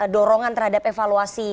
dorongan terhadap evaluasi